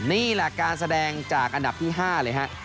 นี่แหละการแสดงจากอันดับที่๕เลยฮะ